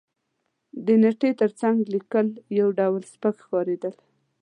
د نېټې تر څنګ لېکل یو ډول سپک ښکارېدل.